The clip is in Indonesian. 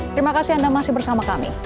terima kasih anda masih bersama kami